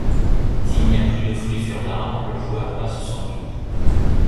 S'il n'y a plus de fruit sur l'arbre, le joueur passe son tour.